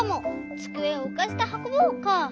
つくえをうかせてはこぼう」か。